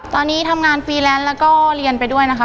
ตอนนี้ทำงานฟรีแลนซ์แล้วก็เรียนไปด้วยนะคะ